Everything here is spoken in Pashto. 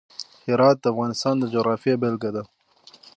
هرات د افغانستان د جغرافیې بېلګه ده.